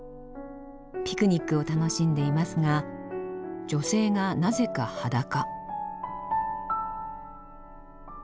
ピクニックを楽しんでいますが女性がなぜか裸。